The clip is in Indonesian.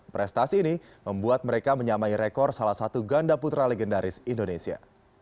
prestasi ini membuat mereka menyamai rekor salah satu ganda putra legendaris indonesia